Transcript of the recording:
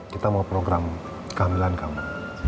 kita mau program kehamilan kamu